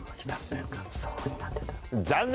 残念！